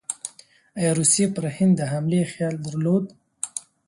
ایا روسیې پر هند د حملې خیال درلود؟